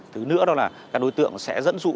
thứ nữa là các đối tượng sẽ dẫn dụ